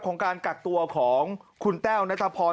ของการกักตัวของคุณแต้วนัทพร